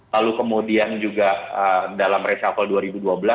lalu kemudian juga dalam reshuffle dua ribu dua belas